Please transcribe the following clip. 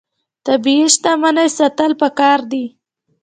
طبیعي شتمنۍ ساتل پکار دي.